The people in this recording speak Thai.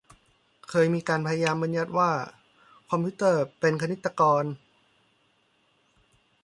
เคยมีการพยายามบัญญัติคำว่าคอมพิวเตอร์เป็นคณิตกร